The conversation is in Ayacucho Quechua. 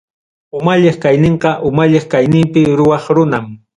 Umalliq kayninqa umalliq kayninpi ruwaq runam.